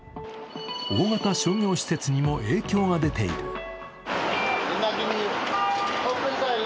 大型商業施設にも影響が出ている。